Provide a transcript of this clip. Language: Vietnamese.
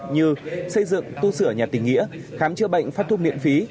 như xây dựng tu sửa nhà tình nghĩa khám chữa bệnh phát thuốc miễn phí